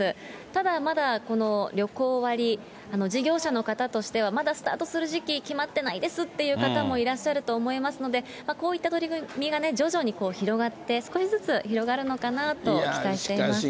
ただ、まだ旅行割、事業者の方としては、まだスタートする時期、決まってないですって方もいらっしゃると思いますので、こういった取り組みがね、徐々に広がって、少しずつ広がるのかなと期待しています。